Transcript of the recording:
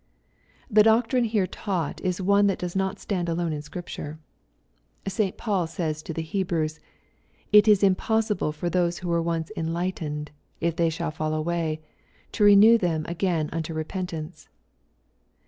The doctrine here taught is one that does not stand alone in Scripture. St. Paul says to the Hebrews, " It is impossible for those who were once enlightened — ^if they shall fall away, to renew them again unto repentance."